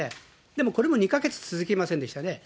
でもこれも２か月続きませんでしたね。